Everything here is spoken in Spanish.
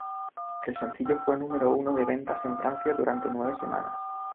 El sencillo fue número uno de ventas en Francia durante nueve semanas,